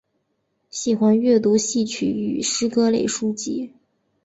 喜欢阅读戏曲与诗歌类书籍。